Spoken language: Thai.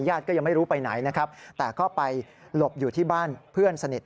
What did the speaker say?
ก็ยังไม่รู้ไปไหนนะครับแต่ก็ไปหลบอยู่ที่บ้านเพื่อนสนิท